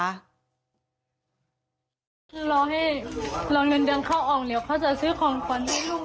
คือรอให้รอเงินเดือนเข้าออกเดี๋ยวเขาจะซื้อของขวัญให้ลูก